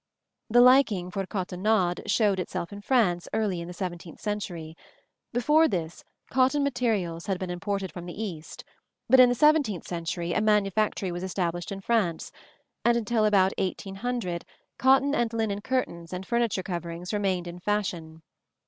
The liking for cotonnades showed itself in France early in the seventeenth century. Before this, cotton materials had been imported from the East; but in the seventeenth century a manufactory was established in France, and until about 1800 cotton and linen curtains and furniture coverings remained in fashion.